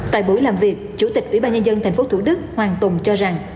tại buổi làm việc chủ tịch ủy ban nhân dân tp thủ đức hoàng tùng cho rằng